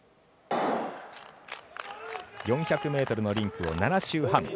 ４００ｍのリンクを７周半。